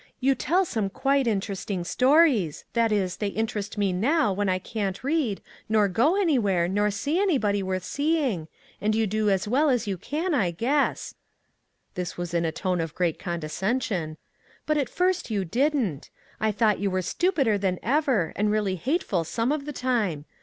You tell some quite interesting stories that is, they interest me now, when I can't read, nor go anywhere, nor see anybody worth seeing, and you do as well as you can, I guess " this in a tone of great condescension " but at first you didn't. I thought you were stupider than ever, and really hateful some of the time.